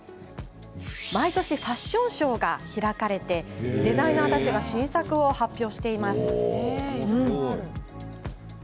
毎年ファッションショーが開かれてデザイナーたちが新作を発表しています。